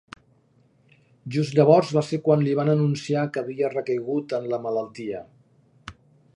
Just llavors va ser quan li van anunciar que havia recaigut en la malaltia.